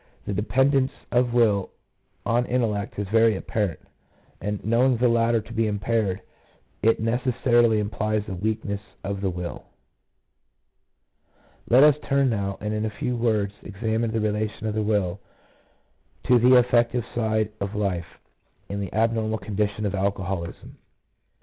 The dependence of will on intellect is very apparent, and knowing the latter to be impaired, it necessarily implies a weakness of the will. Let us turn now, and in a few words examine the relation of the will to the affective side of life in the abnormal condition of alcoholism.